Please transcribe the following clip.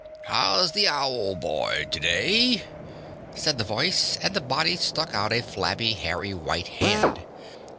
"How's the Owl boy today?" said the voice, and the body stuck out a flabby, hairy white hand.